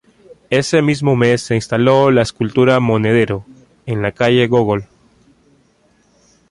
Ese mismo mes se instaló la escultura "Monedero" en la calle Gógol.